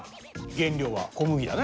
原料は小麦だね。